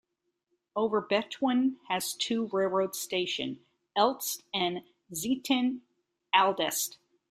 Overbetuwe has two railway stations: Elst and Zetten-Andelst.